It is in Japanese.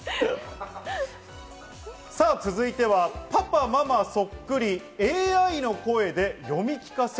続いては、パパママそっくり、ＡＩの声で読み聞かせ。